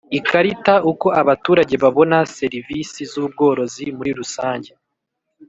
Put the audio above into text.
Ikarita uko abaturage babona serivisi z ubworozi muri rusange